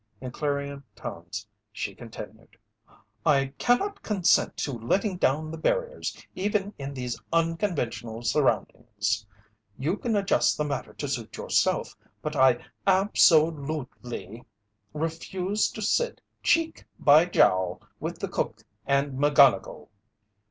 In clarion tones she continued: "I cannot consent to letting down the barriers even in these unconventional surroundings. You can adjust the matter to suit yourself, but I ab so lute ly refuse to sit cheek by jowl with the cook and McGonnigle!"